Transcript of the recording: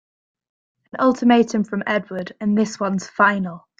An ultimatum from Edward and this one's final!